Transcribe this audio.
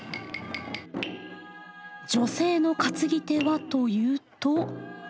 女性の担ぎ手はというと。